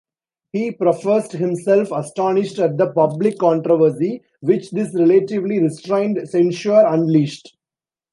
He professed himself astonished at the public controversy which this relatively restrained censure unleashed.